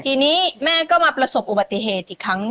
ทีนี้แม่ก็มาประสบอุบัติเหตุอีกครั้ง